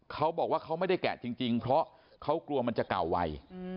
เขาบอกว่าเขาไม่ได้แกะจริงเพราะเขากลัวมันจะเก่าไว